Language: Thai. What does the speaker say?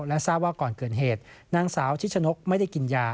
และทราบว่าก่อนเกิดเหตุนางสาวชิชนกไม่ได้กินยา